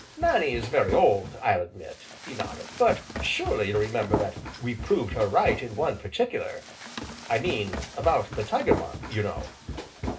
"Nannie is very old, I'll admit," he nodded, "but surely you remember that we proved her right in one particular, I mean about the Tiger Mark, you know."